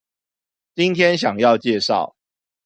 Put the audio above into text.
今天想要介紹